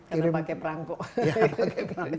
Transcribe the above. karena pakai perangkok